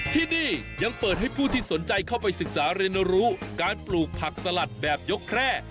ที่นี่ยังเปิดให้ผู้ที่สนใจเข้าไปศึกษาเรียนรู้การปลูกผักสลัดแบบยกแคร่